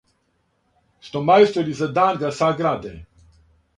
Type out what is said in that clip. Што мајстори за дан га саграде,